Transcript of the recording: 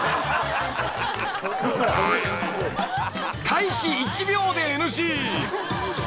［開始１秒でＮＧ］